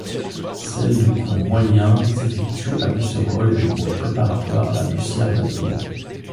Celles de cours moyen s'effectuent à Busserolles et le cours préparatoire à Bussière-Badil.